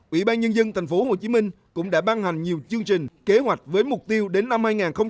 ủy ban nhân dân thành phố hồ chí minh cũng đã ban hành nhiều chương trình kế hoạch với mục tiêu đến năm hai nghìn hai mươi